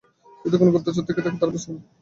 যদি কোন গুপ্তচর থেকে থাকে, তার ব্যবস্থা কর!